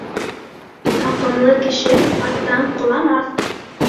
Таҡымлы кеше аттан ҡоламаҫ.